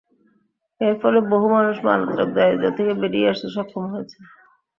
এর ফলে বহু মানুষ মারাত্মক দারিদ্র্য থেকে বেরিয়ে আসতে সক্ষম হয়েছে।